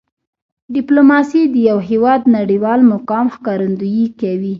ډیپلوماسي د یو هېواد د نړیوال مقام ښکارندویي کوي.